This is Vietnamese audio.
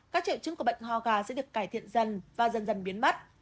các triệu chứng của bệnh ho gà sẽ được cải thiện dần và dần dần biến mất